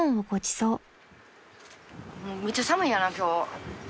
むっちゃ寒いよな今日。